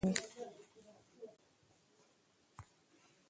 لوستې میندې د ماشوم لپاره سالم نظم جوړوي.